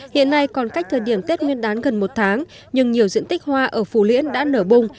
hiện nay còn cách thời điểm tết nguyên đán gần một tháng nhưng nhiều diện tích hoa ở phù liễn đã nở bông